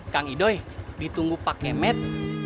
kang idoy ditunggu pak kemet